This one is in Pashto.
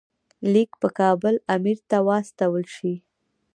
لیک په کابل امیر ته واستول شي.